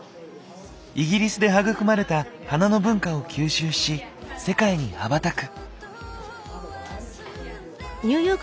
イギリスで育まれた花の文化を吸収し世界に羽ばたく。